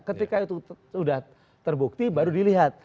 ketika itu sudah terbukti baru dilihat